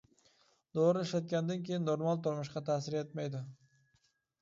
دورا ئىشلەتكەندىن كېيىن نورمال تۇرمۇشقا تەسىر يەتمەيدۇ.